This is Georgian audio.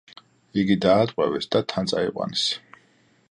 იგი დაატყვევეს და თან წაიყვანეს.